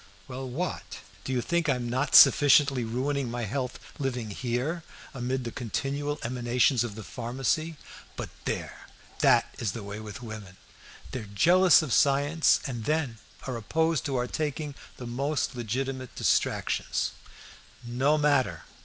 "Well, what? Do you think I'm not sufficiently ruining my health living here amid the continual emanations of the pharmacy? But there! that is the way with women! They are jealous of science, and then are opposed to our taking the most legitimate distractions. No matter!